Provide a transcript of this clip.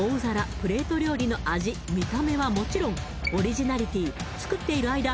プレート料理の味見た目はもちろんオリジナリティ作っている間